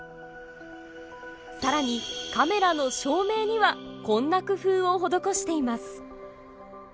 更にカメラの照明にはこんな工夫を施しています。